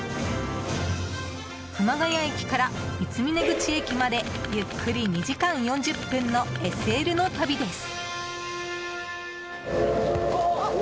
熊谷駅から三峰口駅までゆっくり２時間４０分のＳＬの旅です。